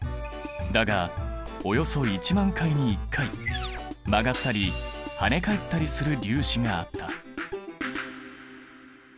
だがおよそ１万回に１回曲がったりはね返ったりする粒子があった。